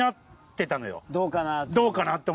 どうかなって。